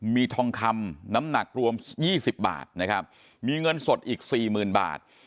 มีทองคำน้ำหนักรวม๒๐บาทนะครับมีเงินสดอีกสี่หมื่นบาท